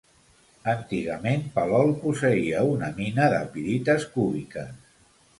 Antigament Palol posseïa una mina de pirites cúbiques.